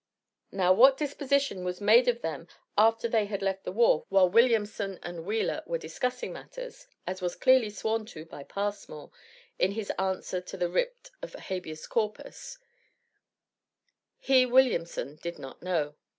Now, what disposition was made of them after they had left the wharf, while Williamson and Wheeler were discussing matters (as was clearly sworn to by Passmore, in his answer to the writ of Habeas Corpus) he Williamson did not know.